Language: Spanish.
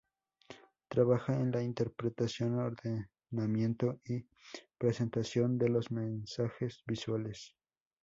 Trabaja en la interpretación, ordenamiento y presentación de los mensajes visuales.